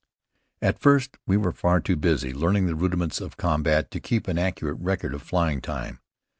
At first we were far too busy learning the rudiments of combat to keep an accurate record of flying time.